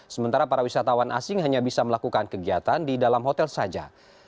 sementara para wisatawan asing hanya bisa melakukan kegiatan di dalam hotel saja